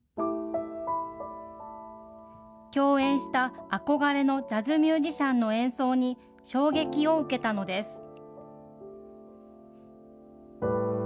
共演した憧れのジャズミュージシャンの演奏に、衝撃を受けたのです。